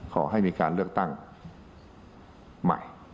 ขอให้มีการเลือกตั้งใหม่